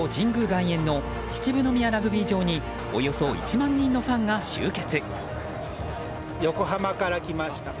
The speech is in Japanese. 外苑の秩父宮ラグビー場におよそ１万人のファンが集結。